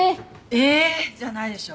「えっ！」じゃないでしょ。